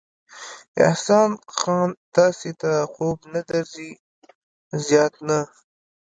احسان خان، تاسې ته خوب نه درځي؟ زیات نه.